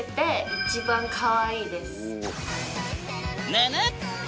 ぬぬっ！